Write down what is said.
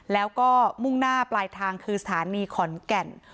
แล้วก็มุ่งหน้าปลายทางคือสถานีขอนแก่น